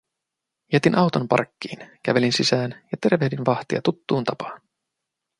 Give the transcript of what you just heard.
Jätin auton parkkiin, kävelin sisään ja tervehdin vahtia tuttuun tapaan.